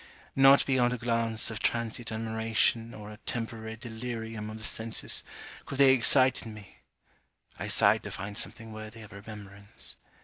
Nought beyond a glance of transient admiration, or a temporary delirium of the senses, could they excite in me. I sighed to find something worthy of remembrance.